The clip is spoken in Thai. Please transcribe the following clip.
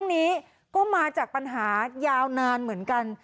เรื่องนี้ก็มาจากปัญหายาวนานเหมือนกัน